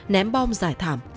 ném bom giải thảm